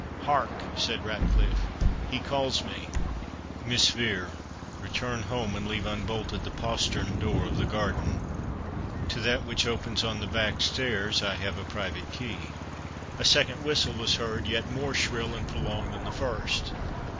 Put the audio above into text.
"Hark!" said Ratcliffe, "he calls me Miss Vere, return home, and leave unbolted the postern door of the garden; to that which opens on the back stairs I have a private key." A second whistle was heard, yet more shrill and prolonged than the first.